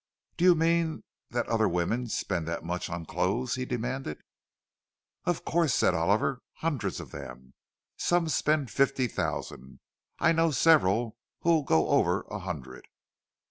"Do you mean that other women spend that much on clothes?" he demanded. "Of course," said Oliver, "hundreds of them. Some spend fifty thousand—I know several who go over a hundred."